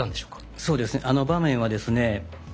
そうですねあの場面はですね